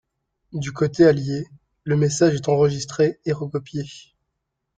Du côté allié, le message est enregistré et recopié.